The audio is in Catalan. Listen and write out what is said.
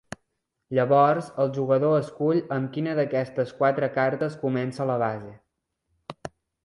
Llavors el jugador escull amb quina d'aquestes quatre cartes comença la base.